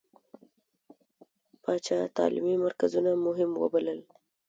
پاچا تعليمي مرکزونه مهم ووبلل.